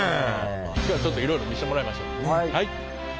今日はちょっといろいろ見してもらいましょう。